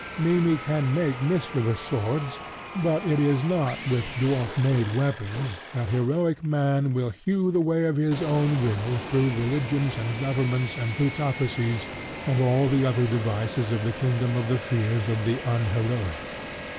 Mimmy can make mischievous swords; but it is not with dwarf made weapons that heroic man will hew the way of his own will through religions and governments and plutocracies and all the other devices of the kingdom of the fears of the unheroic.